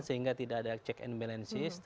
sehingga tidak ada check and balances